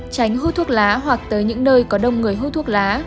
tránh hút thuốc lá hoặc tới những nơi có đông người hút thuốc lá